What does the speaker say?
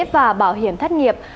và bảo hiểm thất nghiệp